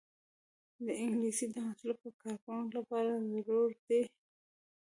انګلیسي د مسلکي کارکوونکو لپاره ضروري ده